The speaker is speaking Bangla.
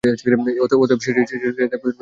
অতএব, সেটাই তার প্রতিযোগিতার শেষ ছিল।